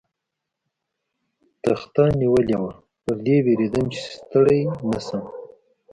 تخته نیولې وه، پر دې وېرېدم، چې ستړی نه شم.